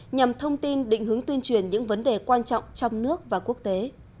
nhằm thông tin định hướng tuyên truyền những vấn đề quan trọng trong nước và quốc tế